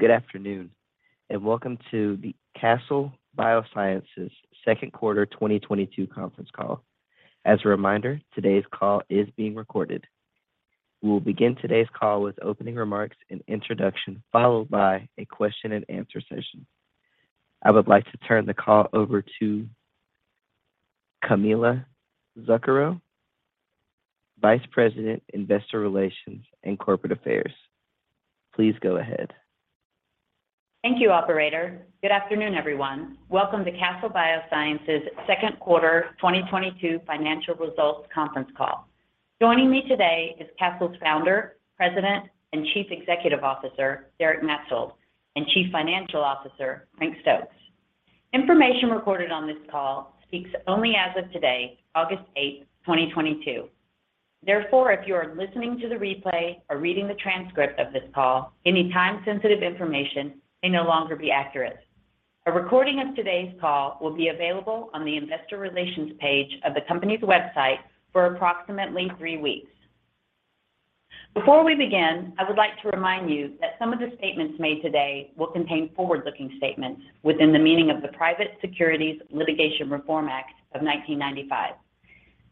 Good afternoon, and welcome to the Castle Biosciences Second Quarter 2022 conference call. As a reminder, today's call is being recorded. We will begin today's call with opening remarks and introduction, followed by a question and answer session. I would like to turn the call over to Camilla Zuckero, Vice President, Investor Relations and Corporate Affairs. Please go ahead. Thank you, operator. Good afternoon, everyone. Welcome to Castle Biosciences second quarter 2022 financial results conference call. Joining me today is Castle's Founder, President, and Chief Executive Officer, Derek Maetzold, and Chief Financial Officer, Frank Stokes. Information recorded on this call speaks only as of today, August 8, 2022. Therefore, if you are listening to the replay or reading the transcript of this call, any time-sensitive information may no longer be accurate. A recording of today's call will be available on the investor relations page of the company's website for approximately three weeks. Before we begin, I would like to remind you that some of the statements made today will contain forward-looking statements within the meaning of the Private Securities Litigation Reform Act of 1995.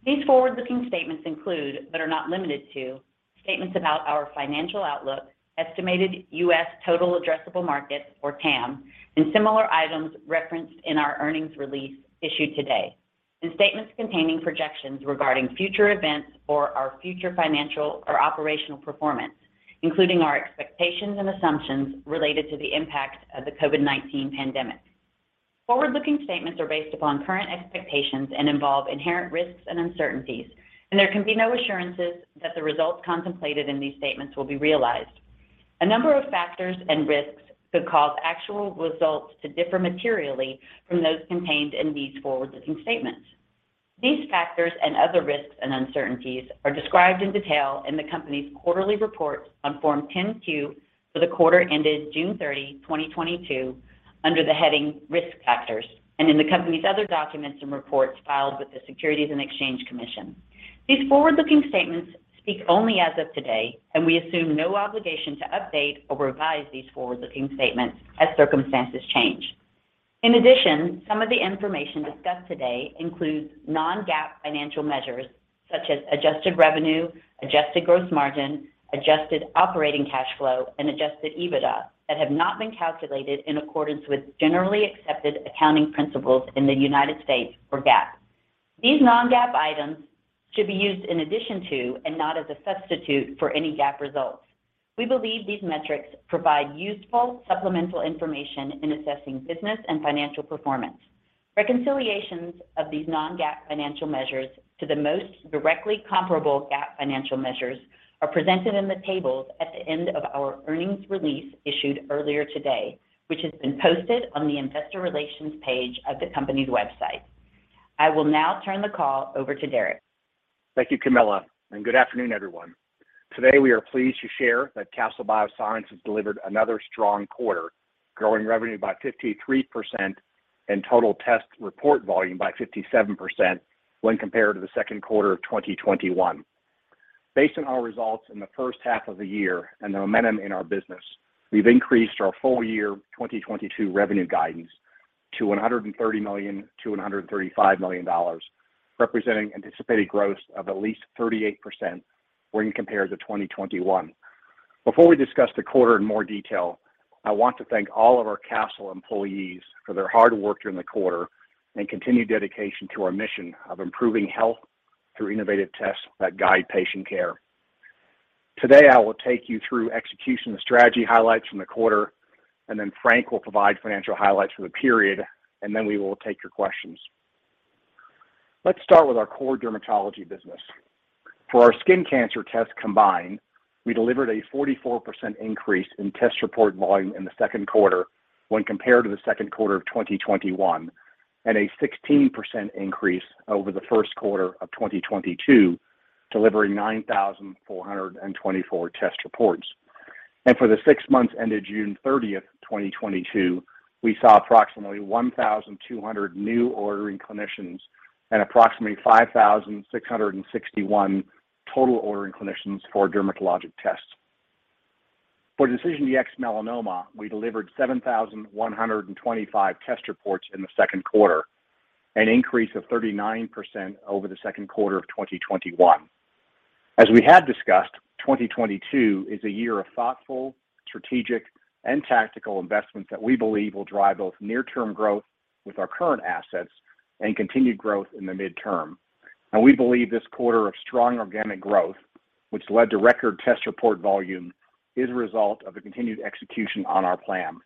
These forward-looking statements include, but are not limited to, statements about our financial outlook, estimated U.S. total addressable market, or TAM, and similar items referenced in our earnings release issued today, and statements containing projections regarding future events or our future financial or operational performance, including our expectations and assumptions related to the impact of the COVID-19 pandemic. Forward-looking statements are based upon current expectations and involve inherent risks and uncertainties, and there can be no assurances that the results contemplated in these statements will be realized. A number of factors and risks could cause actual results to differ materially from those contained in these forward-looking statements. These factors and other risks and uncertainties are described in detail in the company's quarterly report on Form 10-Q for the quarter ended June 30, 2022, under the heading Risk Factors, and in the company's other documents and reports filed with the Securities and Exchange Commission. These forward-looking statements speak only as of today, and we assume no obligation to update or revise these forward-looking statements as circumstances change. In addition, some of the information discussed today includes non-GAAP financial measures such as adjusted revenue, adjusted gross margin, adjusted operating cash flow, and adjusted EBITDA that have not been calculated in accordance with generally accepted accounting principles in the United States for GAAP. These non-GAAP items should be used in addition to and not as a substitute for any GAAP results. We believe these metrics provide useful supplemental information in assessing business and financial performance. Reconciliations of these non-GAAP financial measures to the most directly comparable GAAP financial measures are presented in the tables at the end of our earnings release issued earlier today, which has been posted on the investor relations page of the company's website. I will now turn the call over to Derek. Thank you, Camilla, and good afternoon, everyone. Today, we are pleased to share that Castle Biosciences delivered another strong quarter, growing revenue by 53% and total test report volume by 57% when compared to the second quarter of 2021. Based on our results in the first half of the year and the momentum in our business, we've increased our full-year 2022 revenue guidance to $130 million-$135 million, representing anticipated growth of at least 38% when compared to 2021. Before we discuss the quarter in more detail, I want to thank all of our Castle employees for their hard work during the quarter and continued dedication to our mission of improving health through innovative tests that guide patient care. Today, I will take you through execution and strategy highlights from the quarter, and then Frank will provide financial highlights for the period, and then we will take your questions. Let's start with our core dermatology business. For our skin cancer tests combined, we delivered a 44% increase in test report volume in the second quarter when compared to the second quarter of 2021, and a 16% increase over the first quarter of 2022, delivering 9,424 test reports. For the six months ended June 30, 2022, we saw approximately 1,200 new ordering clinicians and approximately 5,661 total ordering clinicians for dermatologic tests. For DecisionDx-Melanoma, we delivered 7,125 test reports in the second quarter, an increase of 39% over the second quarter of 2021. As we had discussed, 2022 is a year of thoughtful, strategic, and tactical investments that we believe will drive both near-term growth with our current assets and continued growth in the midterm. We believe this quarter of strong organic growth, which led to record test report volume, is a result of the continued execution on our plan.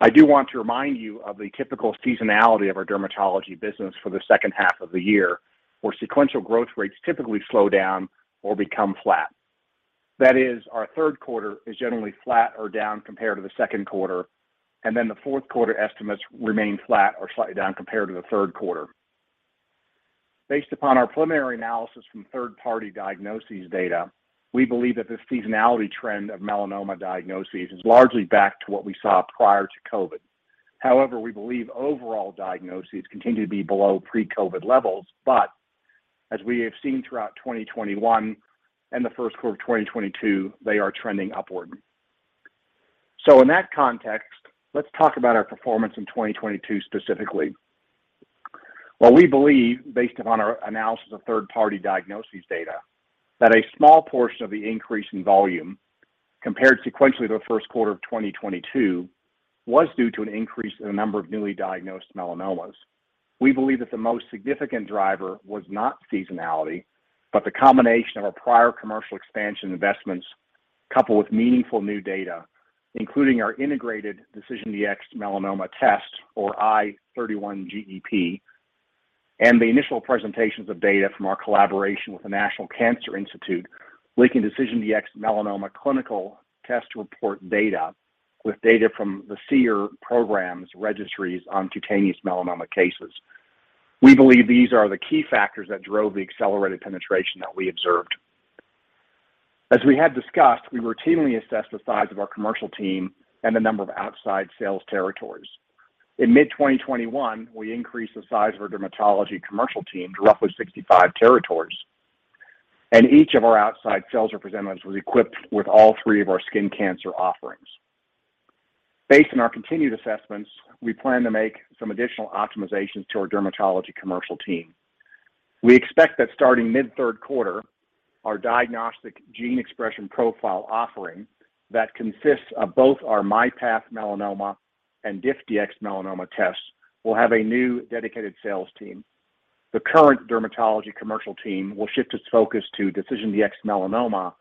I do want to remind you of the typical seasonality of our dermatology business for the second half of the year, where sequential growth rates typically slow down or become flat. That is, our third quarter is generally flat or down compared to the second quarter, and then the fourth quarter estimates remain flat or slightly down compared to the third quarter. Based upon our preliminary analysis from third-party diagnoses data, we believe that the seasonality trend of melanoma diagnoses is largely back to what we saw prior to COVID. However, we believe overall diagnoses continue to be below pre-COVID levels, but. As we have seen throughout 2021 and the first quarter of 2022, they are trending upward. In that context, let's talk about our performance in 2022 specifically. While we believe, based upon our analysis of third-party diagnoses data, that a small portion of the increase in volume compared sequentially to the first quarter of 2022 was due to an increase in the number of newly diagnosed melanomas. We believe that the most significant driver was not seasonality, but the combination of our prior commercial expansion investments coupled with meaningful new data, including our integrated DecisionDx-Melanoma test, or i31-GEP, and the initial presentations of data from our collaboration with the National Cancer Institute linking DecisionDx-Melanoma clinical test report data with data from the SEER program's registries on cutaneous melanoma cases. We believe these are the key factors that drove the accelerated penetration that we observed. As we had discussed, we routinely assess the size of our commercial team and the number of outside sales territories. In mid-2021, we increased the size of our dermatology commercial team to roughly 65 territories, and each of our outside sales representatives was equipped with all three of our skin cancer offerings. Based on our continued assessments, we plan to make some additional optimizations to our dermatology commercial team. We expect that starting mid-third quarter, our diagnostic gene expression profile offering that consists of both our MyPath Melanoma and DecisionDx-Melanoma tests will have a new dedicated sales team. The current dermatology commercial team will shift its focus to DecisionDx-Melanoma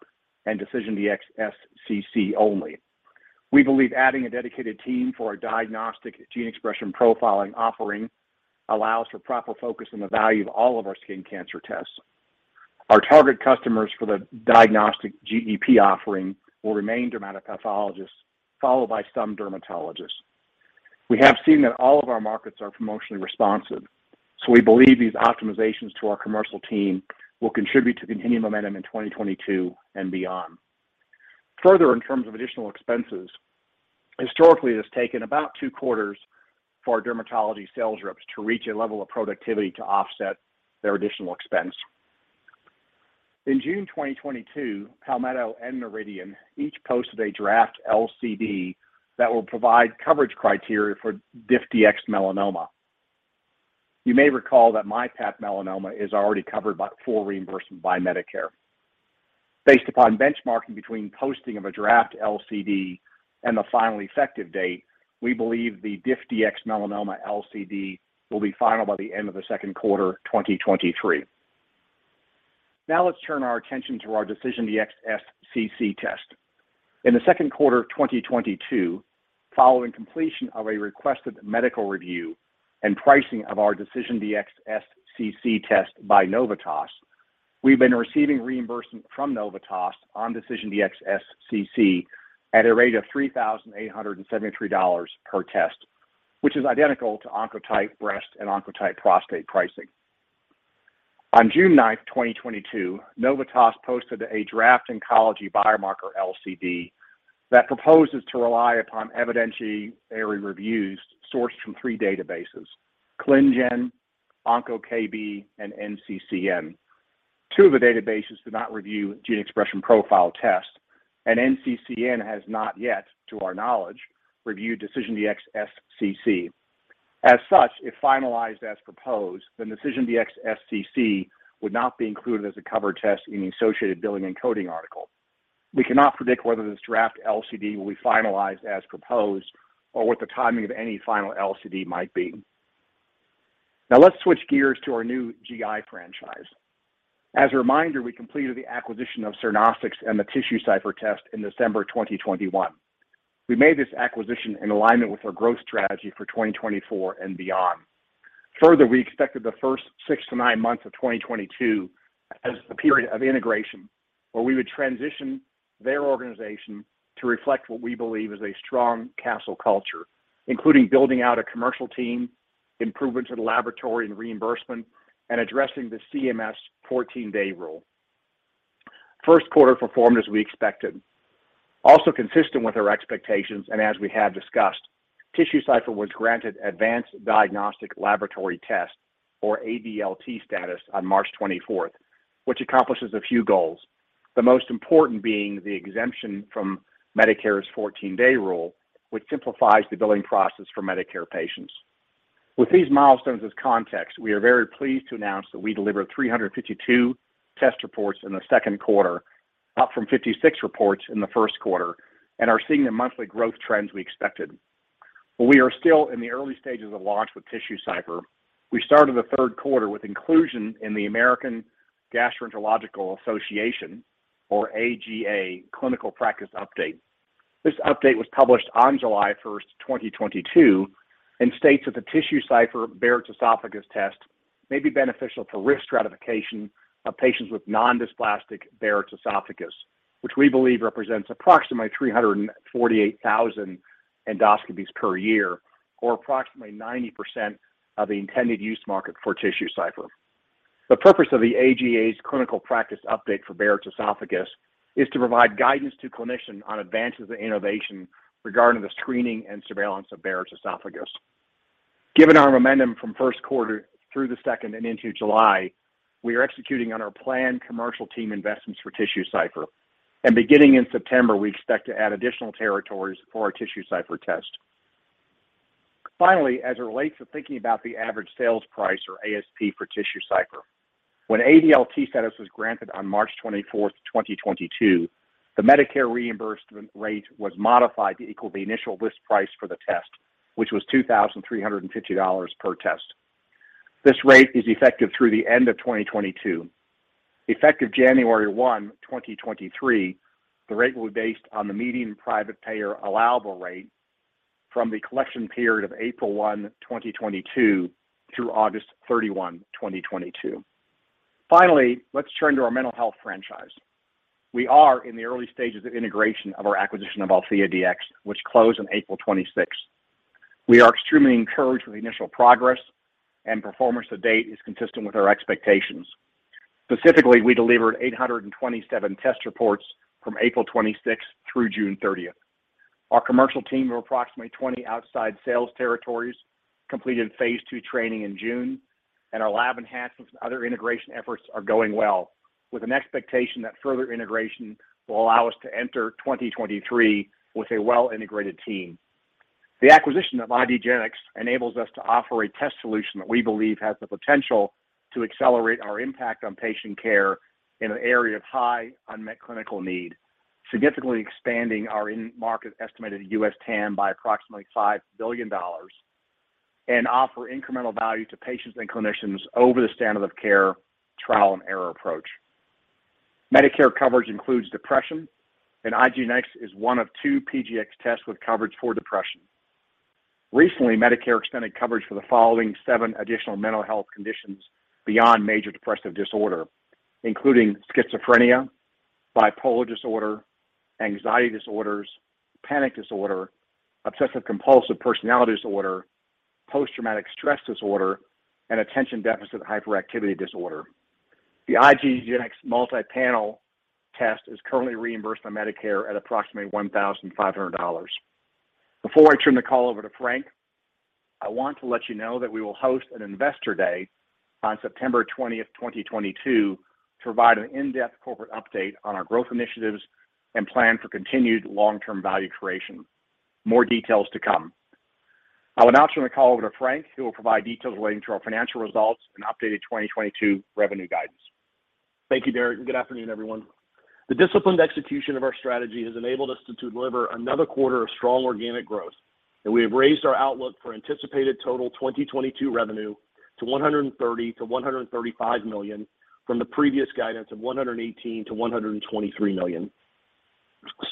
and DecisionDx-SCC only. We believe adding a dedicated team for our diagnostic gene expression profiling offering allows for proper focus on the value of all of our skin cancer tests. Our target customers for the diagnostic GEP offering will remain dermatopathologists, followed by some dermatologists. We have seen that all of our markets are promotionally responsive, so we believe these optimizations to our commercial team will contribute to continued momentum in 2022 and beyond. Further, in terms of additional expenses, historically, it has taken about two quarters for our dermatology sales reps to reach a level of productivity to offset their additional expense. In June 2022, Palmetto and Noridian each posted a draft LCD that will provide coverage criteria for DecisionDx-Melanoma. You may recall that MyPath Melanoma is already covered by full reimbursement by Medicare. Based upon benchmarking between posting of a draft LCD and the final effective date, we believe the DecisionDx-Melanoma LCD will be final by the end of the second quarter 2023. Now let's turn our attention to our DecisionDx-SCC test. In the second quarter of 2022, following completion of a requested medical review and pricing of our DecisionDx-SCC test by Novitas, we've been receiving reimbursement from Novitas on DecisionDx-SCC at a rate of $3,873 per test, which is identical to Oncotype DX Breast and Oncotype DX Prostate pricing. On June 9, 2022, Novitas posted a draft oncology biomarker LCD that proposes to rely upon evidentiary reviews sourced from three databases, ClinGen, OncoKB, and NCCN. Two of the databases do not review gene expression profile tests, and NCCN has not yet, to our knowledge, reviewed DecisionDx-SCC. As such, if finalized as proposed, then DecisionDx-SCC would not be included as a covered test in the associated billing and coding article. We cannot predict whether this draft LCD will be finalized as proposed or what the timing of any final LCD might be. Now let's switch gears to our new GI franchise. As a reminder, we completed the acquisition of Cernostics and the TissueCypher test in December 2021. We made this acquisition in alignment with our growth strategy for 2024 and beyond. Further, we expected the first 6-9 months of 2022 as the period of integration where we would transition their organization to reflect what we believe is a strong Castle culture, including building out a commercial team, improvements in laboratory and reimbursement, and addressing the CMS fourteen-day rule. First quarter performed as we expected. Also consistent with our expectations and as we have discussed, TissueCypher was granted Advanced Diagnostic Laboratory Test, or ADLT status on March twenty-fourth, which accomplishes a few goals, the most important being the exemption from Medicare's fourteen-day rule, which simplifies the billing process for Medicare patients. With these milestones as context, we are very pleased to announce that we delivered 352 test reports in the second quarter, up from 56 reports in the first quarter, and are seeing the monthly growth trends we expected. While we are still in the early stages of launch with TissueCypher, we started the third quarter with inclusion in the American Gastroenterological Association, or AGA, Clinical Practice Update. This update was published on July 1, 2022, and states that the TissueCypher Barrett's Esophagus Test may be beneficial to risk stratification of patients with non-dysplastic Barrett's Esophagus, which we believe represents approximately 348,000 endoscopies per year, or approximately 90% of the intended use market for TissueCypher. The purpose of the AGA's Clinical Practice Update for Barrett's Esophagus is to provide guidance to clinicians on advances in innovation regarding the screening and surveillance of Barrett's Esophagus. Given our momentum from first quarter through the second and into July, we are executing on our planned commercial team investments for TissueCypher. Beginning in September, we expect to add additional territories for our TissueCypher test. Finally, as it relates to thinking about the average sales price or ASP for TissueCypher, when ADLT status was granted on March 24, 2022, the Medicare reimbursement rate was modified to equal the initial list price for the test, which was $2,350 per test. This rate is effective through the end of 2022. Effective January 1, 2023, the rate will be based on the median private payer allowable rate from the collection period of April 1, 2022 through August 31, 2022. Finally, let's turn to our mental health franchise. We are in the early stages of integration of our acquisition of AltheaDx, which closed on April 26. We are extremely encouraged with the initial progress and performance to date is consistent with our expectations. Specifically, we delivered 827 test reports from April 26th through June 30th. Our commercial team of approximately 20 outside sales territories completed phase 2 training in June, and our lab enhancements and other integration efforts are going well, with an expectation that further integration will allow us to enter 2023 with a well-integrated team. The acquisition of IDgenetix enables us to offer a test solution that we believe has the potential to accelerate our impact on patient care in an area of high unmet clinical need, significantly expanding our end market estimated US TAM by approximately $5 billion, and offer incremental value to patients and clinicians over the standard of care trial and error approach. Medicare coverage includes depression, and IDgenetix is one of two PGx tests with coverage for depression. Recently, Medicare extended coverage for the following seven additional mental health conditions beyond major depressive disorder, including schizophrenia, bipolar disorder, anxiety disorders, panic disorder, obsessive-compulsive personality disorder, post-traumatic stress disorder, and attention deficit hyperactivity disorder. The IDgenetix multi-panel test is currently reimbursed by Medicare at approximately $1,500. Before I turn the call over to Frank, I want to let you know that we will host an investor day on September twentieth, 2022 to provide an in-depth corporate update on our growth initiatives and plan for continued long-term value creation. More details to come. I will now turn the call over to Frank, who will provide details relating to our financial results and updated 2022 revenue guidance. Thank you, Derek, and good afternoon, everyone. The disciplined execution of our strategy has enabled us to deliver another quarter of strong organic growth, and we have raised our outlook for anticipated total 2022 revenue to $130 million-$135 million from the previous guidance of $118 million-$123 million.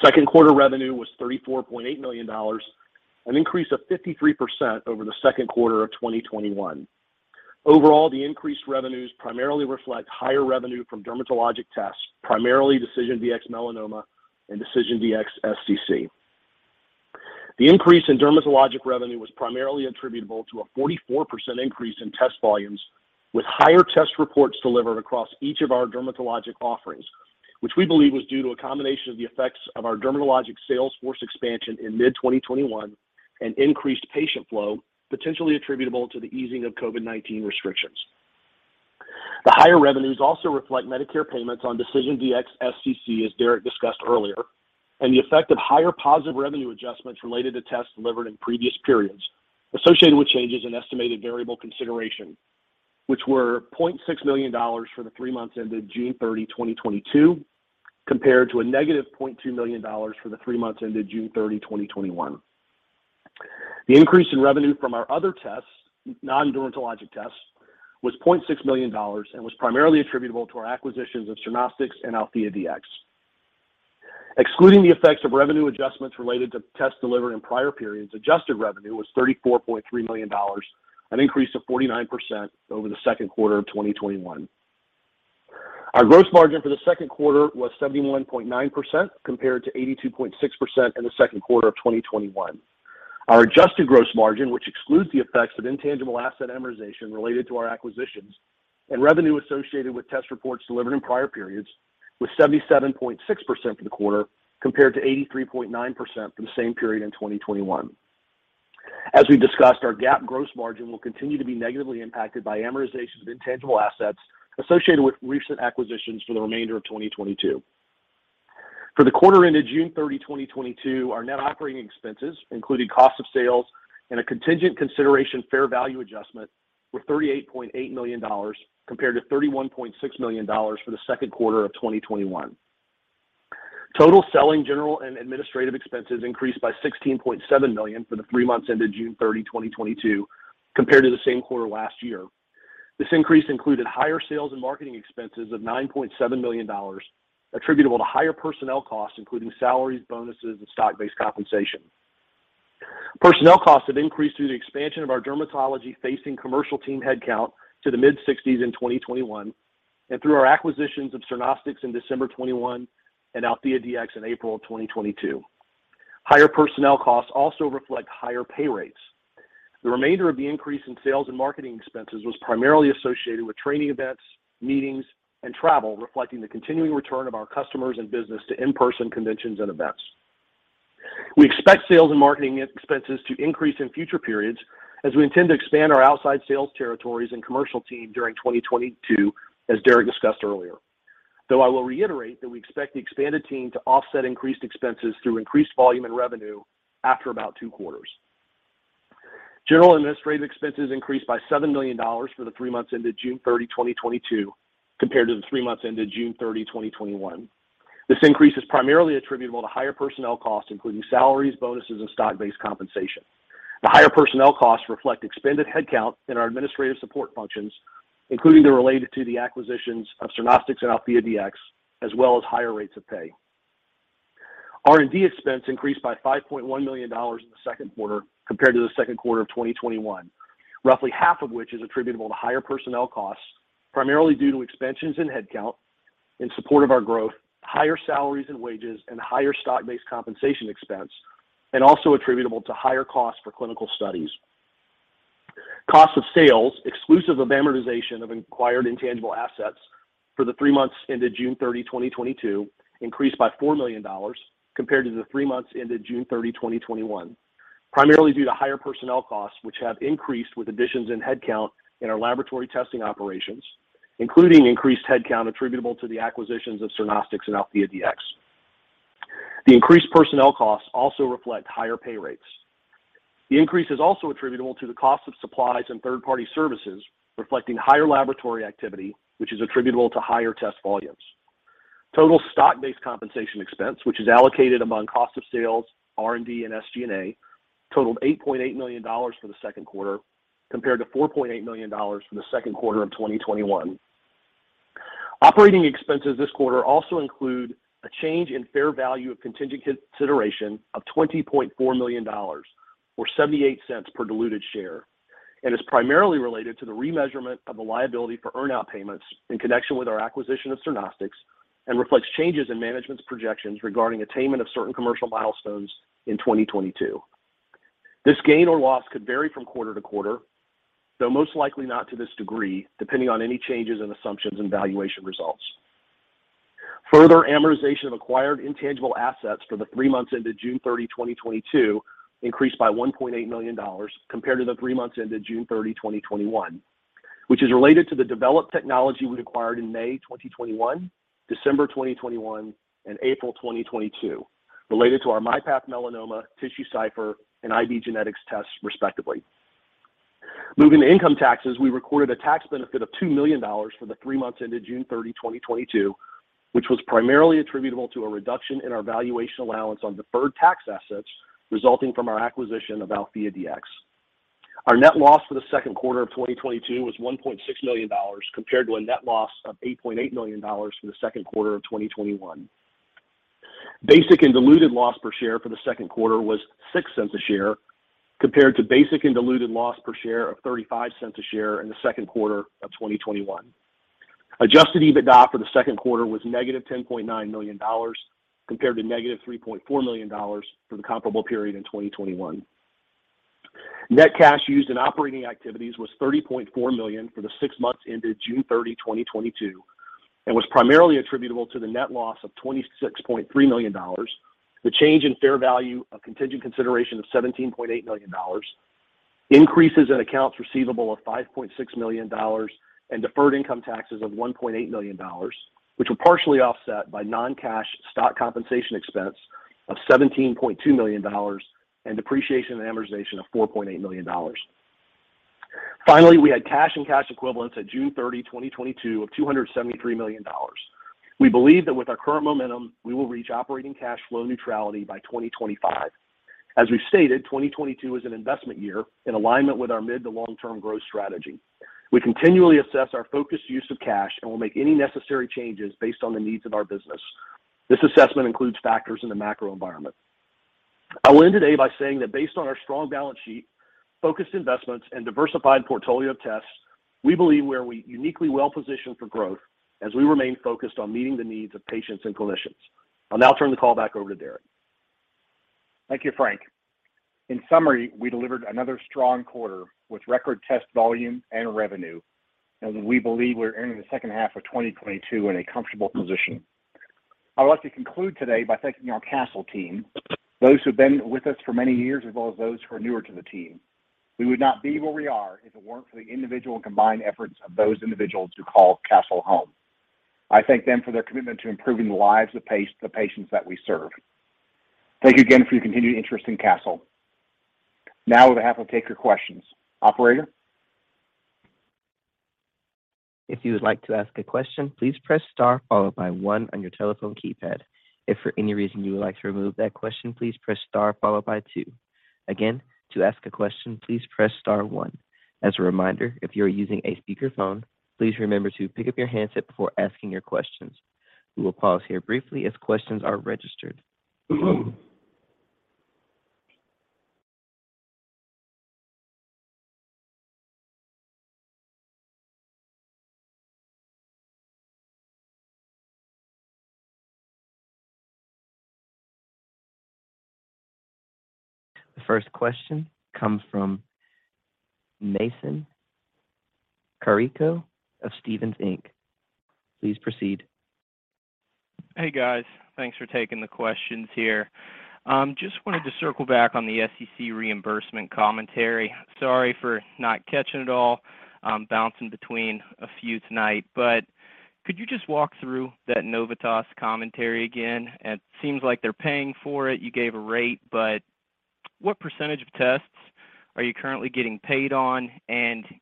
Second quarter revenue was $34.8 million, an increase of 53% over the second quarter of 2021. Overall, the increased revenues primarily reflect higher revenue from dermatologic tests, primarily DecisionDx-Melanoma and DecisionDx-SCC. The increase in dermatologic revenue was primarily attributable to a 44% increase in test volumes, with higher test reports delivered across each of our dermatologic offerings, which we believe was due to a combination of the effects of our dermatologic sales force expansion in mid-2021 and increased patient flow, potentially attributable to the easing of COVID-19 restrictions. The higher revenues also reflect Medicare payments on DecisionDx-SCC, as Derek discussed earlier, and the effect of higher positive revenue adjustments related to tests delivered in previous periods associated with changes in estimated variable consideration, which were $0.6 million for the three months ended June 30, 2022, compared to -$0.2 million for the three months ended June 30, 2021. The increase in revenue from our other tests, non-dermatologic tests, was $0.6 million and was primarily attributable to our acquisitions of Cernostics and AltheaDx. Excluding the effects of revenue adjustments related to tests delivered in prior periods, adjusted revenue was $34.3 million, an increase of 49% over the second quarter of 2021. Our gross margin for the second quarter was 71.9% compared to 82.6% in the second quarter of 2021. Our adjusted gross margin, which excludes the effects of intangible asset amortization related to our acquisitions and revenue associated with test reports delivered in prior periods, was 77.6% for the quarter compared to 83.9% for the same period in 2021. As we discussed, our GAAP gross margin will continue to be negatively impacted by amortization of intangible assets associated with recent acquisitions for the remainder of 2022. The quarter ended June 30, 2022, our net operating expenses, including cost of sales and a contingent consideration fair value adjustment, were $38.8 million compared to $31.6 million for the second quarter of 2021. Total selling, general, and administrative expenses increased by $16.7 million for the three months ended June 30, 2022 compared to the same quarter last year. This increase included higher sales and marketing expenses of $9.7 million attributable to higher personnel costs, including salaries, bonuses, and stock-based compensation. Personnel costs have increased through the expansion of our dermatology-facing commercial team headcount to the mid-60s in 2021 and through our acquisitions of Cernostics in December 2021 and AltheaDx in April 2022. Higher personnel costs also reflect higher pay rates. The remainder of the increase in sales and marketing expenses was primarily associated with training events, meetings, and travel, reflecting the continuing return of our customers and business to in-person conventions and events. We expect sales and marketing expenses to increase in future periods as we intend to expand our outside sales territories and commercial team during 2022, as Derek discussed earlier. Though I will reiterate that we expect the expanded team to offset increased expenses through increased volume and revenue after about two quarters. General and administrative expenses increased by $7 million for the three months ended June 30, 2022, compared to the three months ended June 30, 2021. This increase is primarily attributable to higher personnel costs, including salaries, bonuses, and stock-based compensation. The higher personnel costs reflect expanded headcount in our administrative support functions, including the related to the acquisitions of Cernostics and AltheaDx, as well as higher rates of pay. R&D expense increased by $5.1 million in the second quarter compared to the second quarter of 2021, roughly half of which is attributable to higher personnel costs, primarily due to expansions in headcount in support of our growth, higher salaries and wages, and higher stock-based compensation expense, and also attributable to higher costs for clinical studies. Cost of sales, exclusive of amortization of acquired intangible assets for the three months ended June 30, 2022, increased by $4 million compared to the three months ended June 30, 2021, primarily due to higher personnel costs, which have increased with additions in headcount in our laboratory testing operations, including increased headcount attributable to the acquisitions of Cernostics and AltheaDx. The increased personnel costs also reflect higher pay rates. The increase is also attributable to the cost of supplies and third-party services, reflecting higher laboratory activity, which is attributable to higher test volumes. Total stock-based compensation expense, which is allocated among cost of sales, R&D, and SG&A, totaled $8.8 million for the second quarter compared to $4.8 million for the second quarter of 2021. Operating expenses this quarter also include a change in fair value of contingent consideration of $20.4 million or $0.78 per diluted share and is primarily related to the remeasurement of the liability for earn-out payments in connection with our acquisition of Cernostics and reflects changes in management's projections regarding attainment of certain commercial milestones in 2022. This gain or loss could vary from quarter to quarter, though most likely not to this degree, depending on any changes in assumptions and valuation results. Further amortization of acquired intangible assets for the three months ended June 30, 2022, increased by $1.8 million compared to the three months ended June 30, 2021, which is related to the developed technology we acquired in May 2021, December 2021, and April 2022, related to our MyPath Melanoma, TissueCypher, and IDgenetix tests, respectively. Moving to income taxes, we recorded a tax benefit of $2 million for the three months ended June 30, 2022, which was primarily attributable to a reduction in our valuation allowance on deferred tax assets resulting from our acquisition of AltheaDx. Our net loss for the second quarter of 2022 was $1.6 million, compared to a net loss of $8.8 million for the second quarter of 2021. Basic and diluted loss per share for the second quarter was $0.06 per share, compared to basic and diluted loss per share of $0.35 per share in the second quarter of 2021. Adjusted EBITDA for the second quarter was -$10.9 million, compared to -$3.4 million for the comparable period in 2021. Net cash used in operating activities was $30.4 million for the six months ended June 30, 2022, and was primarily attributable to the net loss of $26.3 million, the change in fair value of contingent consideration of $17.8 million, increases in accounts receivable of $5.6 million, and deferred income taxes of $1.8 million, which were partially offset by non-cash stock compensation expense of $17.2 million and depreciation and amortization of $4.8 million. Finally, we had cash and cash equivalents at June 30, 2022 of $273 million. We believe that with our current momentum, we will reach operating cash flow neutrality by 2025. As we've stated, 2022 is an investment year in alignment with our mid to long-term growth strategy. We continually assess our focused use of cash and will make any necessary changes based on the needs of our business. This assessment includes factors in the macro environment. I will end today by saying that based on our strong balance sheet, focused investments, and diversified portfolio of tests, we believe we are uniquely well-positioned for growth as we remain focused on meeting the needs of patients and clinicians. I'll now turn the call back over to Derek. Thank you, Frank. In summary, we delivered another strong quarter with record test volume and revenue, and we believe we're entering the second half of 2022 in a comfortable position. I would like to conclude today by thanking our Castle team, those who've been with us for many years, as well as those who are newer to the team. We would not be where we are if it weren't for the individual and combined efforts of those individuals who call Castle home. I thank them for their commitment to improving the lives of the patients that we serve. Thank you again for your continued interest in Castle. Now we're happy to take your questions. Operator? If you would like to ask a question, please press star followed by one on your telephone keypad. If for any reason you would like to remove that question, please press star followed by two. Again, to ask a question, please press star one. As a reminder, if you are using a speakerphone, please remember to pick up your handset before asking your questions. We will pause here briefly as questions are registered. The first question comes from Mason Carrico of Stephens Inc. Please proceed. Hey guys. Thanks for taking the questions here. Just wanted to circle back on the SCC reimbursement commentary. Sorry for not catching it all, bouncing between a few tonight. Could you just walk through that Novitas commentary again? It seems like they're paying for it. You gave a rate, but what percentage of tests are you currently getting paid on?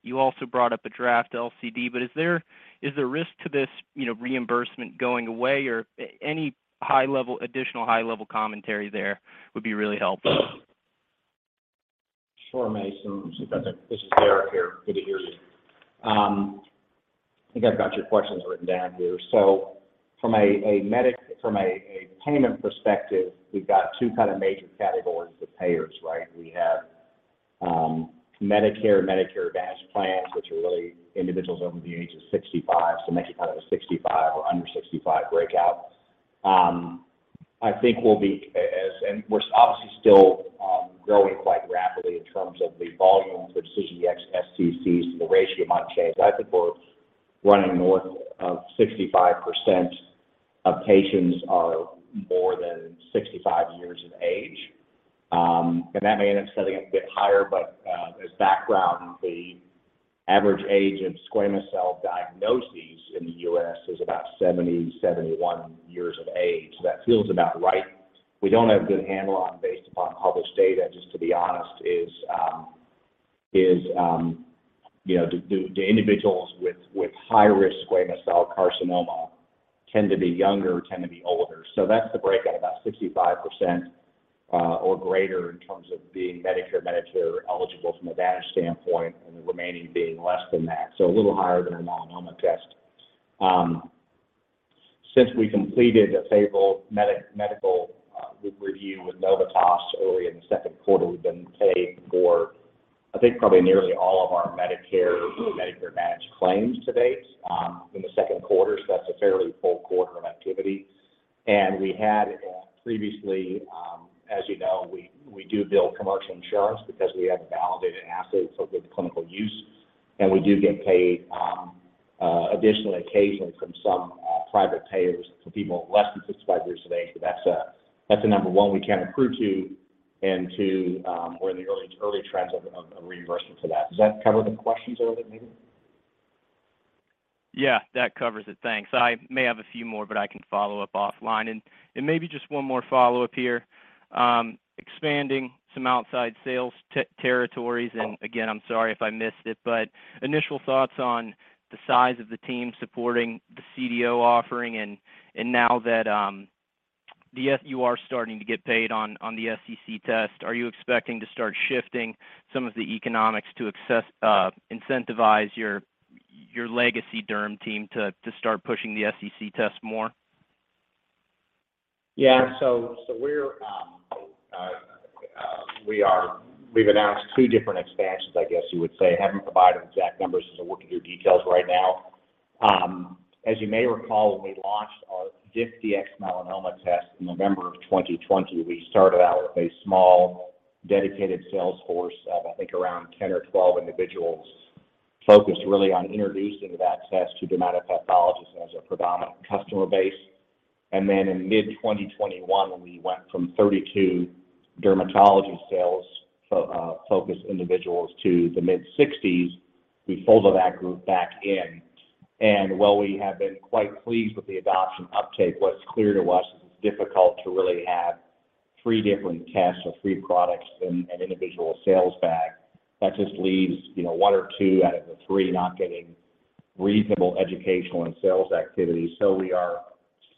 You also brought up a draft LCD, but is there risk to this, you know, reimbursement going away or any high level, additional high level commentary there would be really helpful. Sure, Mason. This is Derek here. Good to hear you. I think I've got your questions written down here. From a payment perspective, we've got two kind of major categories of payers, right? We have Medicare Advantage plans, which are really individuals over the age of 65, so makes it kind of a 65 or under 65 breakout. I think we'll be. We're obviously still growing quite rapidly in terms of the volume for DecisionDx-SCC, so the ratio might change. I think we're running north of 65% of patients are more than 65 years of age, and that may end up setting a bit higher. As background, the average age of squamous cell diagnoses in the U.S. is about 70, 71 years of age. That feels about right. We don't have a good handle on, based upon published data, just to be honest, you know, do the individuals with high-risk squamous cell carcinoma tend to be younger or tend to be older? That's the breakout, about 65% or greater in terms of being Medicare eligible from Advantage standpoint, and the remaining being less than that, so a little higher than our melanoma test. Since we completed a favorable medical review with Novitas early in the second quarter, we've been paid for, I think, probably nearly all of our Medicare Advantage claims to date in the second quarter. That's a fairly full quarter of activity. We had previously, as you know, we do bill commercial insurance because we have a validated assay for good clinical use, and we do get paid, additionally occasionally from some private payers for people less than 65 years of age. That's a number one we can't accrue to and two, we're in the early trends of reimbursing for that. Does that cover the questions a little bit maybe? Yeah, that covers it. Thanks. I may have a few more, but I can follow up offline. Maybe just one more follow-up here. Expanding some outside sales territories, and again, I'm sorry if I missed it, but initial thoughts on the size of the team supporting the derm offering and now that you're starting to get paid on the SCC test. Are you expecting to start shifting some of the economics to access, incentivize your legacy derm team to start pushing the SCC test more? We've announced two different expansions, I guess you would say. Haven't provided exact numbers since we're working through details right now. As you may recall, when we launched our DecisionDx-Melanoma test in November 2020, we started out with a small dedicated sales force of, I think, around 10 or 12 individuals focused really on introducing that test to dermatopathologists as a predominant customer base. Then in mid-2021, when we went from 32 dermatology sales focused individuals to the mid-60s, we folded that group back in. While we have been quite pleased with the adoption uptake, what's clear to us is it's difficult to really have three different tests or three products in an individual sales bag. That just leaves, you know, one or two out of the three not getting reasonable educational and sales activity. We are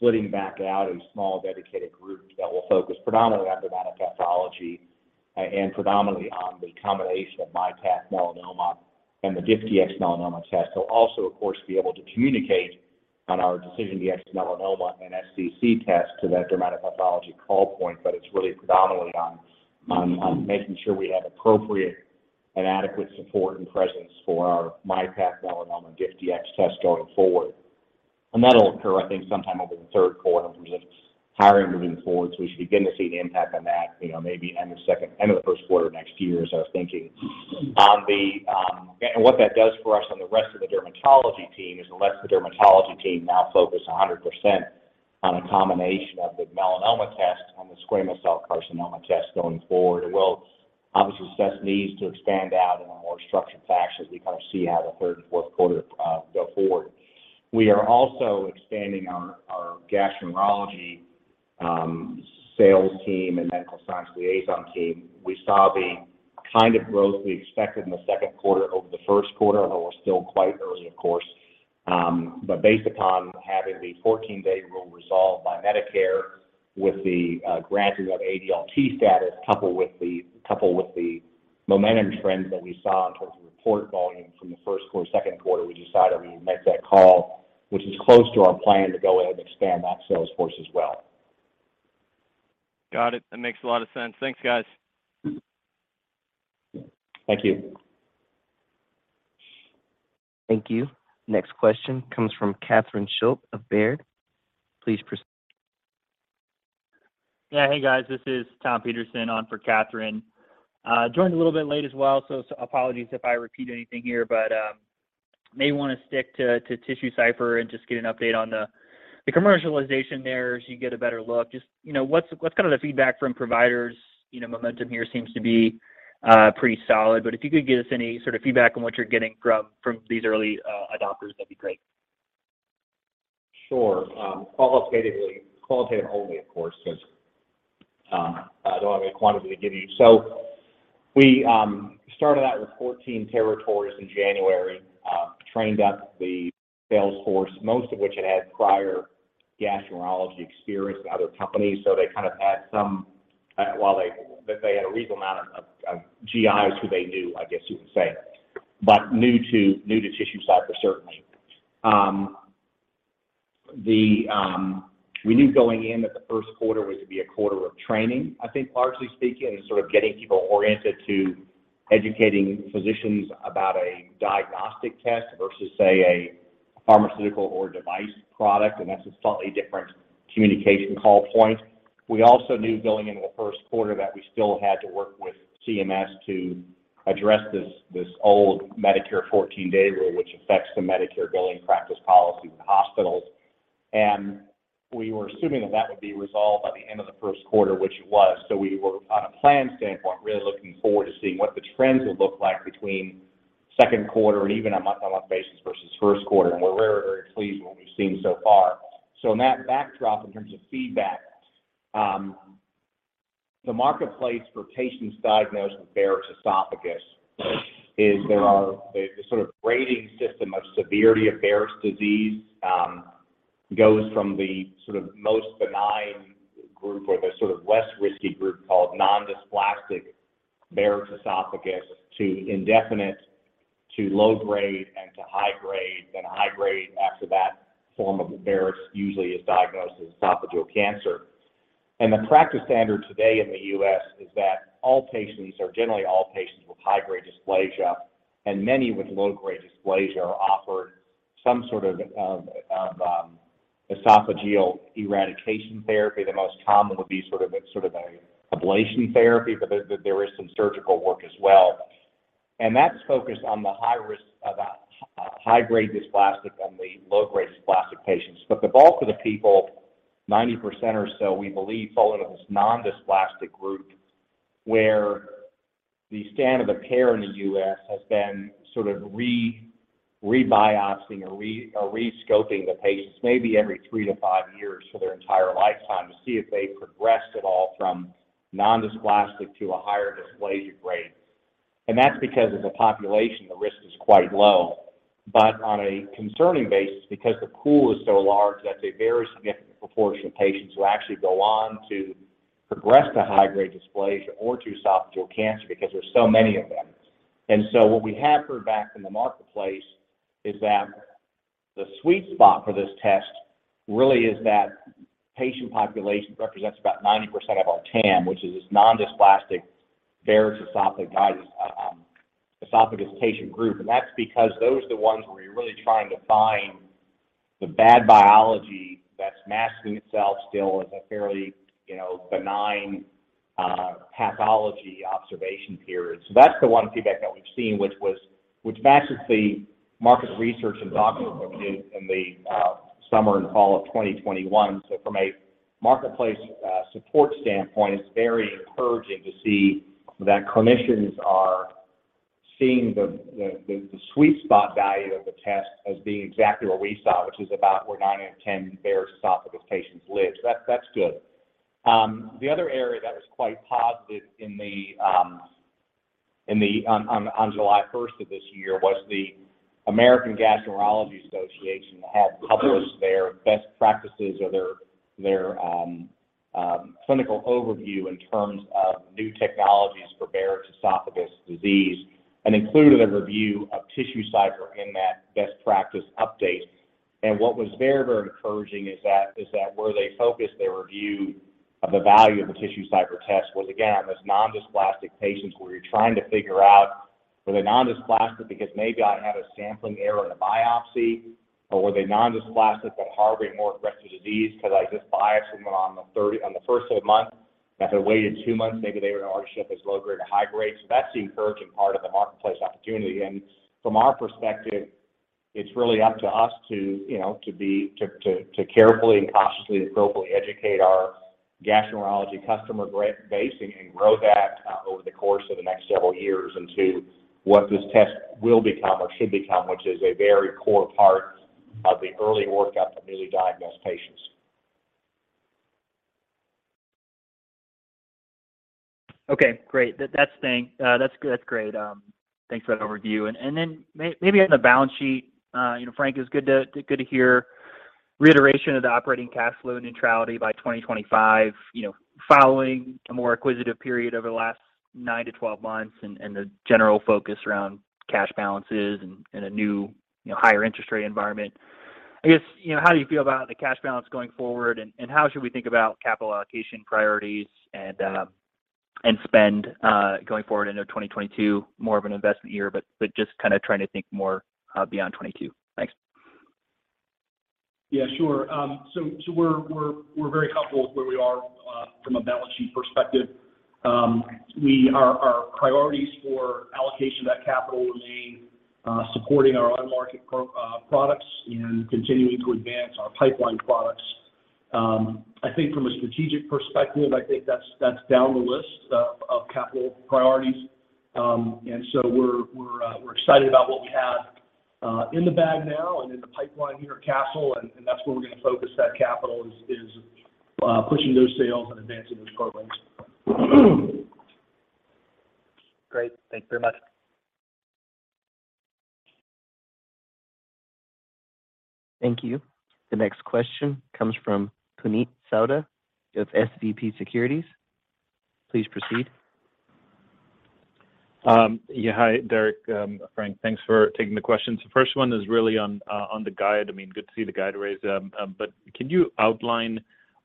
splitting back out a small dedicated group that will focus predominantly on dermatopathology and predominantly on the combination of MyPath Melanoma and the DecisionDx-Melanoma test. They'll also, of course, be able to communicate on our DecisionDx-Melanoma and DecisionDx-SCC test to that dermatopathology call point, but it's really predominantly on making sure we have appropriate and adequate support and presence for our MyPath Melanoma and DecisionDx tests going forward. That'll occur, I think, sometime over the third quarter in terms of hiring moving forward. We should begin to see an impact on that, you know, maybe end of second, end of the first quarter next year is our thinking. What that does for us on the rest of the dermatology team is it lets the dermatology team now focus 100% on a combination of the melanoma test and the squamous cell carcinoma test going forward. It will obviously assess needs to expand out in a more structured fashion as we kind of see how the third and fourth quarter go forward. We are also expanding our gastroenterology sales team and medical science liaison team. We saw the kind of growth we expected in the second quarter over the first quarter, although we're still quite early, of course. Based upon having the fourteen-day rule resolved by Medicare with the granting of ADLT status coupled with the momentum trends that we saw in terms of report volume from the first quarter, second quarter, we decided we would make that call, which is close to our plan to go ahead and expand that sales force as well. Got it. That makes a lot of sense. Thanks, guys. Thank you. Thank you. Next question comes from Catherine Schulte of Baird. Please proceed. Yeah. Hey, guys, this is Thomas Peterson on for Catherine Schulte. Joined a little bit late as well, so apologies if I repeat anything here, but may wanna stick to TissueCypher and just get an update on the commercialization there as you get a better look. What's the feedback from providers? You know, momentum here seems to be pretty solid. If you could give us any sort of feedback on what you're getting from these early adopters, that'd be great. Sure. Qualitatively only, of course, 'cause I don't have any quantity to give you. We started out with 14 territories in January, trained up the sales force, most of which had had prior gastroenterology experience at other companies, so they kind of had some. They had a reasonable amount of GIs who they knew, I guess you would say, but new to TissueCypher, certainly. We knew going in that the first quarter was to be a quarter of training, I think largely speaking, and sort of getting people oriented to educating physicians about a diagnostic test versus, say, a pharmaceutical or device product, and that's a slightly different communication call point. We also knew going into the first quarter that we still had to work with CMS to address this old Medicare 14-day rule, which affects the Medicare billing practice policy with hospitals. We were assuming that that would be resolved by the end of the first quarter, which it was. We were on a planning standpoint really looking forward to seeing what the trends would look like between second quarter and even a month-on-month basis versus first quarter. We're very, very pleased with what we've seen so far. In that backdrop, in terms of feedback, the marketplace for patients diagnosed with Barrett's Esophagus is. The sort of grading system of severity of Barrett's disease goes from the sort of most benign group or the sort of less risky group called non-dysplastic Barrett's Esophagus to indefinite to low-grade and to high-grade. High-grade after that form of Barrett's usually is diagnosed as esophageal cancer. The practice standard today in the U.S. is that all patients or generally all patients with high-grade dysplasia, and many with low-grade dysplasia, are offered some sort of esophageal eradication therapy. The most common would be sort of ablation therapy, but there is some surgical work as well. That's focused on the high risk of high-grade dysplasia than the low-grade dysplasia patients. The bulk of the people, 90% or so, we believe fall into this non-dysplastic group, where the standard of care in the U.S. has been sort of rebiopsying or rescoping the patients maybe every three to five years for their entire lifetime to see if they've progressed at all from non-dysplastic to a higher dysplasia grade. That's because as a population, the risk is quite low. On a concerning basis, because the pool is so large, that's a very significant proportion of patients who actually go on to progress to high-grade dysplasia or to esophageal cancer because there's so many of them. What we have heard back from the marketplace is that the sweet spot for this test really is that patient population represents about 90% of our TAM, which is this non-dysplastic Barrett's Esophagus patient group. That's because those are the ones where you're really trying to find the bad biology that's masking itself still as a fairly, you know, benign pathology observation period. That's the one feedback that we've seen, which matches the market research and docs that we did in the summer and fall of 2021. From a marketplace support standpoint, it's very encouraging to see that clinicians are seeing the sweet spot value of the test as being exactly what we saw, which is about where nine out of ten Barrett's Esophagus patients live. That's good. The other area that was quite positive in the on July 1st of this year was the American Gastroenterological Association had published their best practices or their clinical overview in terms of new technologies for Barrett's Esophagus disease and included a review of TissueCypher in that best practice update. What was very, very encouraging is that where they focused their review of the value of the TissueCypher test was, again, on those non-dysplastic patients, where you're trying to figure out, were they non-dysplastic because maybe I had a sampling error in a biopsy, or were they non-dysplastic but harboring more aggressive disease 'cause I just biopsied them on the first of the month, and if I waited two months, maybe they would have already shifted to low-grade or high-grade. That's the encouraging part of the marketplace opportunity. From our perspective, it's really up to us to, you know, be carefully and cautiously and appropriately educate our gastroenterology customer base and grow that over the course of the next several years into what this test will become or should become, which is a very core part of the early workup for newly diagnosed patients. Okay. Great. That's the thing. That's great. Thanks for that overview. Then maybe on the balance sheet, you know, Frank, it was good to hear reiteration of the operating cash flow neutrality by 2025, you know, following a more acquisitive period over the last 9-12 months and the general focus around cash balances and a new, you know, higher interest rate environment. I guess, you know, how do you feel about the cash balance going forward, and how should we think about capital allocation priorities and Spend going forward into 2022 more of an investment year, but just kinda trying to think more beyond 2022. Thanks. Yeah, sure. We're very comfortable with where we are from a balance sheet perspective. Our priorities for allocation of that capital remain supporting our own marketed products and continuing to advance our pipeline products. I think from a strategic perspective, I think that's down the list of capital priorities. We're excited about what we have in the bag now and in the pipeline here at Castle and that's where we're gonna focus that capital is pushing those sales and advancing those programs. Great. Thank you very much. Thank you. The next question comes from Puneet Souda of SVB Securities. Please proceed. Yeah. Hi, Derek. Frank, thanks for taking the questions. The first one is really on the guide. I mean, good to see the guide raised. Can you outline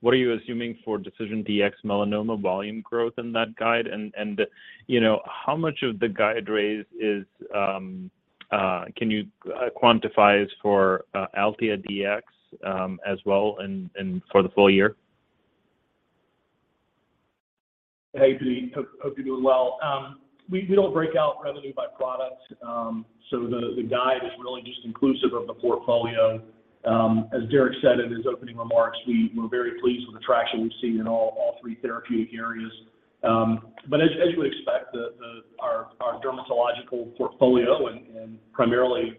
what are you assuming for DecisionDx-Melanoma volume growth in that guide? And you know, how much of the guide raise is, can you quantify as for AltheaDx as well and for the full year? Hey, Puneet. Hope you're doing well. We don't break out revenue by product, so the guide is really just inclusive of the portfolio. As Derek said in his opening remarks, we're very pleased with the traction we've seen in all three therapeutic areas. As you would expect, our dermatological portfolio and primarily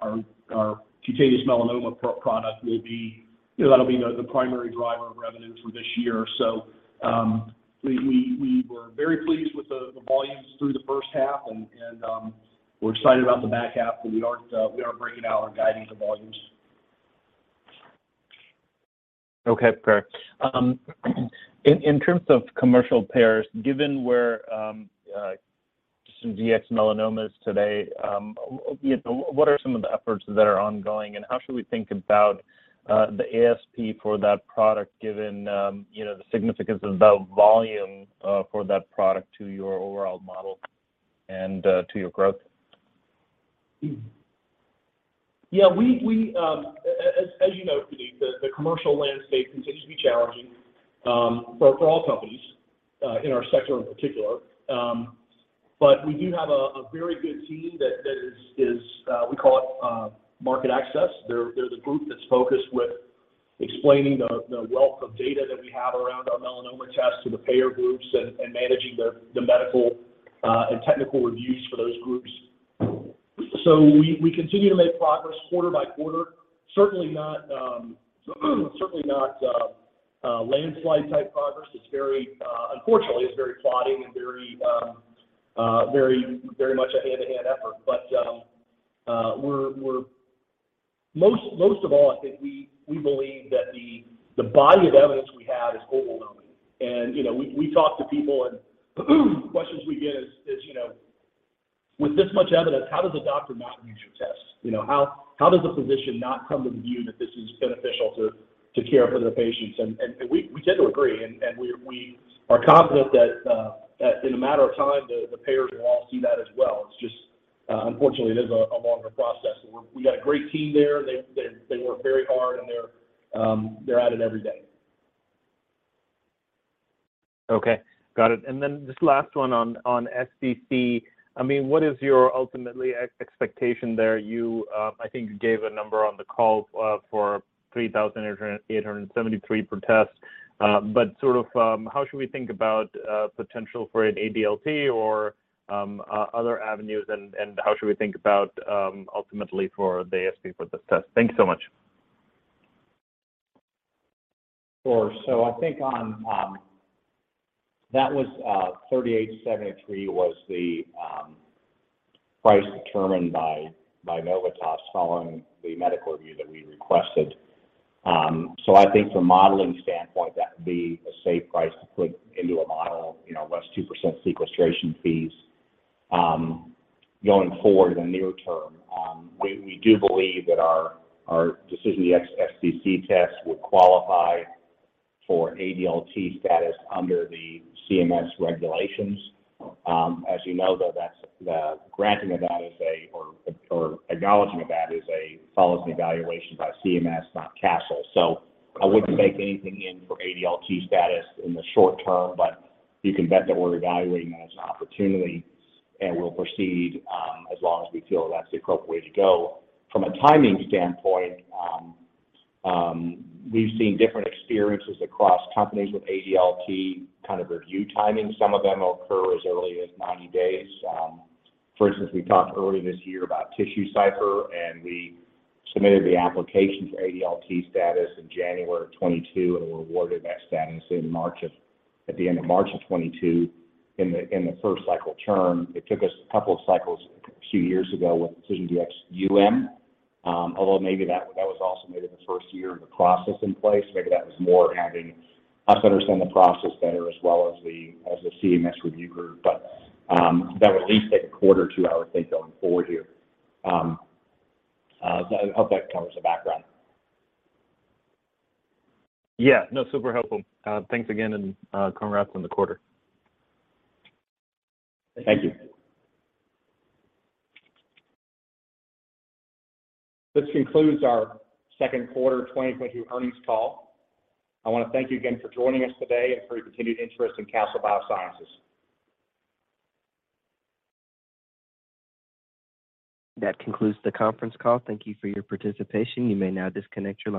our cutaneous melanoma product will be, you know, that'll be the primary driver of revenue for this year, so, we were very pleased with the volumes through the first half and we're excited about the back half, but we aren't breaking out our guidance of volumes. Okay. Fair. In terms of commercial payers, given where just some DecisionDx-Melanoma today, you know, what are some of the efforts that are ongoing, and how should we think about the ASP for that product given, you know, the significance of the volume for that product to your overall model and to your growth? Yeah. As you know, Puneet, the commercial landscape continues to be challenging for all companies in our sector in particular. We do have a very good team that, we call it, market access. They're the group that's focused with explaining the wealth of data that we have around our melanoma test to the payer groups and managing the medical and technical reviews for those groups. We continue to make progress quarter by quarter. Certainly not a landslide type progress. Unfortunately, it's very plodding and very much a hand-in-hand effort. Most of all, I think we believe that the body of evidence we have is overwhelming. You know, we talk to people and the questions we get is, you know, with this much evidence, how does a doctor not use your test? You know, how does a physician not come to the view that this is beneficial to care for their patients? We tend to agree, and we are confident that in a matter of time, the payers will all see that as well. It's just, unfortunately, it is a longer process. We got a great team there. They work very hard and they're at it every day. Okay. Got it. Just last one on SCC. I mean, what is your ultimate expectation there? I think you gave a number on the call for $3,878 per test. How should we think about potential for an ADLT or other avenues, and how should we think about ultimate for the ASP for this test? Thank you so much. Sure. I think that was $38.73, the price determined by Novitas following the medical review that we requested. I think from a modeling standpoint, that would be a safe price to put into a model, you know, less 2% sequestration fees. Going forward in the near term, we do believe that our DecisionDx-SCC test would qualify for ADLT status under the CMS regulations. As you know, though, the granting of that, or acknowledging of that, is a policy evaluation by CMS, not Castle. I wouldn't bake anything in for ADLT status in the short term, but you can bet that we're evaluating that as an opportunity, and we'll proceed as long as we feel that's the appropriate way to go. From a timing standpoint, we've seen different experiences across companies with ADLT kind of review timing. Some of them occur as early as 90 days. For instance, we talked earlier this year about TissueCypher, and we submitted the application for ADLT status in January of 2022, and were awarded that status at the end of March of 2022 in the first cycle term. It took us a couple of cycles a few years ago with DecisionDx-UM, although maybe that was also maybe the first year of the process in place. Maybe that was more having us understand the process better as well as the CMS review group. That would at least take a quarter to our state going forward here. I hope that covers the background. Yeah. No, super helpful. Thanks again and, congrats on the quarter. Thank you. This concludes our second quarter of 2022 earnings call. I wanna thank you again for joining us today and for your continued interest in Castle Biosciences. That concludes the conference call. Thank you for your participation. You may now disconnect your lines.